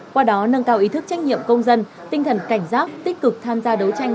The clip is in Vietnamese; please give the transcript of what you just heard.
qua đó nâng cao ý thức trách nhiệm công dân tinh thần cảnh giác tích cực tham gia đấu tranh